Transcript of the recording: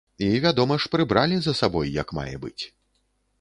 І, вядома ж, прыбралі за сабой як мае быць.